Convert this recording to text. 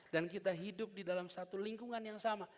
dan kita hidup di dalam satu lingkungan yang sama